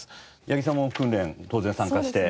八木さんも訓練当然参加して。